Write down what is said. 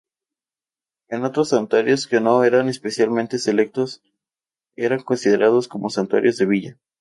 Los otros santuarios que no eran "especialmente selectos" eran considerados como "santuarios de villa".